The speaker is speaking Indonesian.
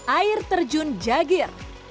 air terjun jagir